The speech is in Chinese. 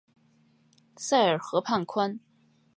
塞尔河畔宽。